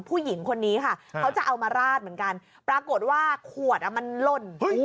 ผู้หญิงคนนี้ค่ะเขาจะเอามาราดเหมือนกันปรากฏว่าขวดอ่ะมันหล่น